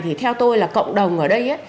thì theo tôi là cộng đồng ở đây